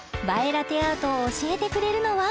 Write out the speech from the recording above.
ラテアートを教えてくれるのは？